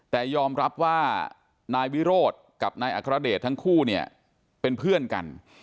แต่ยอมรับว่านายวิโรธกับนายอัครเดชทั้งคู่เนี่ยเป็นเพื่อนกัน